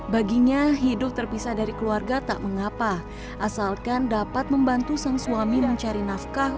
baginya hidup terpisah dari keluarga tak mengapa asalkan dapat membantu sang suami mencari nafkah